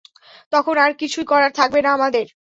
তখন আর কিছুই করার থাকবে না আমাদের।